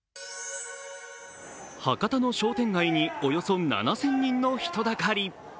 博多の商店街におよそ７０００人の人だかり。